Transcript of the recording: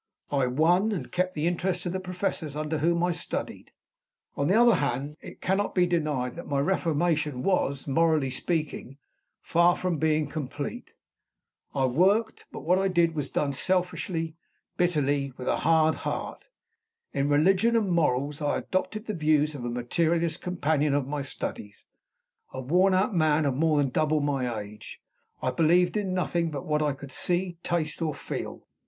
I won, and kept, the interest of the professors under whom I studied. On the other hand, it cannot be denied that my reformation was, morally speaking, far from being complete. I worked; but what I did was done selfishly, bitterly, with a hard heart. In religion and morals I adopted the views of a materialist companion of my studies a worn out man of more than double my age. I believed in nothing but what I could see, or taste, or feel.